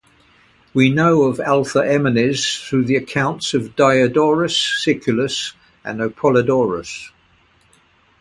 We know of Althaemenes through the accounts of Diodorus Siculus and Apollodorus.